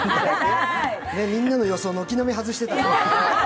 みんなの予想、軒並み外してたよね。